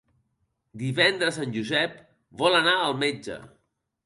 Divendres en Josep vol anar al metge.